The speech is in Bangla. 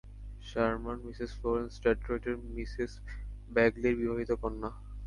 শার্মান, মিসেস ফ্লোরেন্স ডেট্রয়েটের মিসেস ব্যাগলির বিবাহিতা কন্যা।